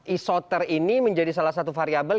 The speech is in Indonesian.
isoter ini menjadi salah satu variable